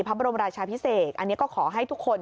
พระบรมราชาพิเศษอันนี้ก็ขอให้ทุกคน